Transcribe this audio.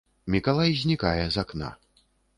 Мікалай знікае з акна.